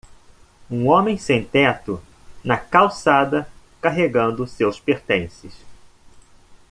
Um homem sem-teto na calçada carregando seus pertences.